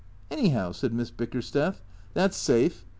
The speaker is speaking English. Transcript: " Anyhow," said Miss Bickersteth, " that 's safe.